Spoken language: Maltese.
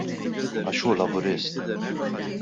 Għax hu Laburist.